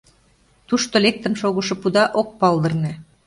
Тушто лектын шогышо пуда ок палдырне.